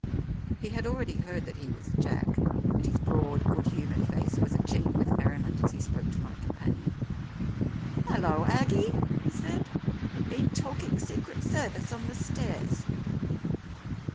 He had already heard that he was "Jack," and his broad good humoured face was a chink with merriment as he spoke to my companion. "Hallo, Aggie!" he said. "Been talking Secret Service on the stairs?